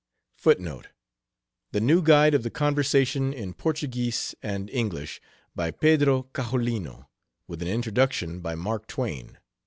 [The New Guide of the Conversation in Portuguese and English, by Pedro Caxolino, with an introduction by Mark Twain.